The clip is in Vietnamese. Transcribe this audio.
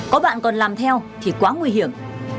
có bạn còn làm theo thì quá nguy hiểm